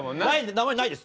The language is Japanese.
名前ないです！